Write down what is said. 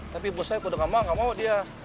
tapi buat saya ku udah gak mau gak mau dia